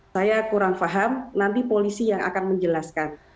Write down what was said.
saya kurang paham nanti polisi yang akan menjelaskan